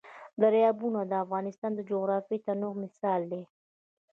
دریابونه د افغانستان د جغرافیوي تنوع مثال دی.